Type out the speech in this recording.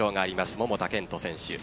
桃田賢斗選手。